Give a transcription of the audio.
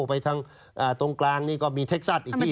ไปทางตรงกลางนี่ก็มีเท็กซัสอีกที่